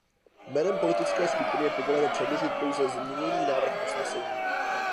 Jménem politické skupiny je povoleno předložit pouze změněný návrh usnesení.